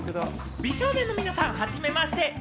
美少年の皆さん、はじめまして！